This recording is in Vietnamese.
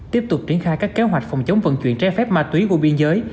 tiếp tục triển khai các kế hoạch phòng chống vận chuyển tre phép ma túy của biên giới